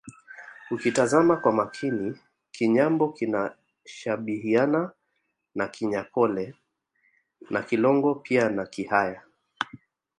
Ukitazama kwa makini Kinyambo kinashabihiana na Kinyankole na Kilongo pia na Kihaya